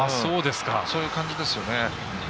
そういう感じですよね。